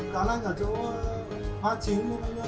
đó là chỗ hoa chín